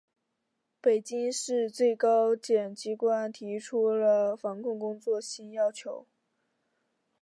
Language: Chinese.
北京市、最高检机关提出了防控工作新要求